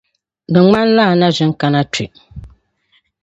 Di ŋmanila a na ʒin kana kpe.